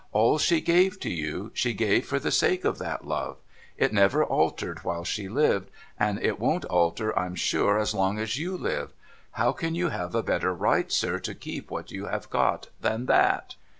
All she gave to you, she gave for the sake of that love. It never altered while she lived ; and it won't alter, I'm sure, as long as you live. How can you have a better right, sir, to keep what you have got than that